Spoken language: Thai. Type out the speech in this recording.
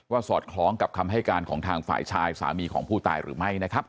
สอดคล้องกับคำให้การของทางฝ่ายชายสามีของผู้ตายหรือไม่นะครับ